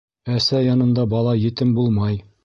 Әсә янында бала етем булмай.